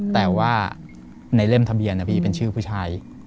แต่ว่าในเล่มทะเบียนพี่เป็นชื่อผู้ชาย